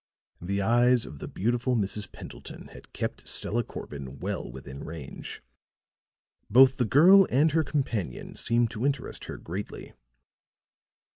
The eyes of the beautiful Mrs. Pendleton had kept Stella Corbin well within range; both the girl and her companion seemed to interest her greatly.